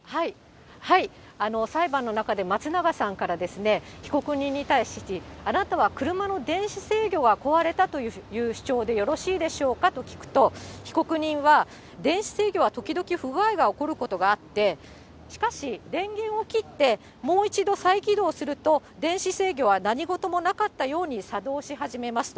裁判の中で松永さんからですね、被告人に対し、あなたは車の電子制御が壊れたという主張でよろしいでしょうかと聞くと、被告人は、電子制御は時々不具合が起こることがあって、しかし、電源を切って、もう一度再起動すると、電子制御は何事もなかったように作動し始めますと。